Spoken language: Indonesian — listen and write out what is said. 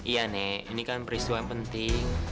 iya nih ini kan peristiwa yang penting